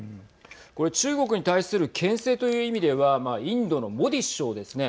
これ、中国に対するけん制という意味ではインドのモディ首相ですね。